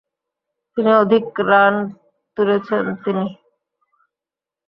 তিনি অধিক রান তুলেছেন তিনি।